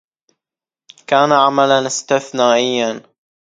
كان عملاً استثنائياً.